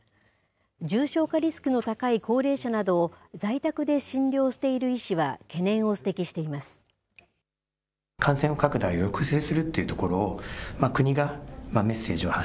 重症化リスクの高い高齢者などを在宅で診療している医師は、懸念を指摘しています。